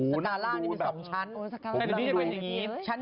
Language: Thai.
สการ่างมันเป็น๒ชั้น